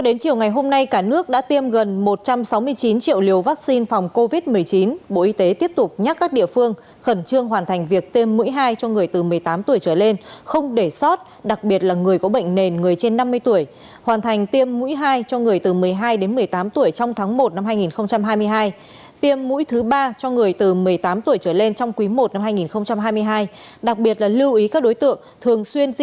đến ngày hôm nay bệnh viện cùng với các bác này cũng đã khắc phục xong